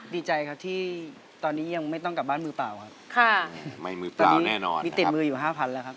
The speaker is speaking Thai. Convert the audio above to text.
ดีใจครับที่ตอนนี้ยังไม่ต้องกลับบ้านมือเปล่าครับค่ะไม่มือเปล่าแน่นอนมีติดมืออยู่ห้าพันแล้วครับ